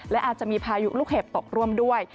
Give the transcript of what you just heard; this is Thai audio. และอาจจะมีพายุลูกเห็บตกร่วมด้วย